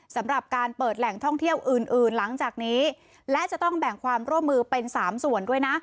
สำหรับการเปิดแหล่งท่องเที่ยวอื่นอื่นหลังจากนี้และจะต้องแบ่งความร่วมมือเป็นสามส่วนด้วยนะ